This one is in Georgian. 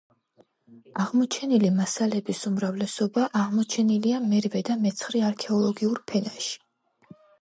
აღმოჩენილი მასალების უმრავლესობა აღმოჩენილია მერვე და მეცხრე არქეოლოგიურ ფენაში.